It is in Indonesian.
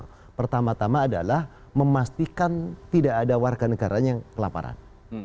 yang pertama tama adalah memastikan tidak ada warga negaranya yang kelaparan